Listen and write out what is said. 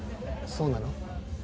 そうなの？